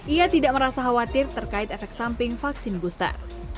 ia tidak merasa khawatir terkait efek samping vaksin booster